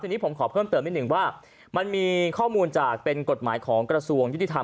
ทีนี้ผมขอเพิ่มเติมนิดนึงว่ามันมีข้อมูลจากเป็นกฎหมายของกระทรวงยุติธรรม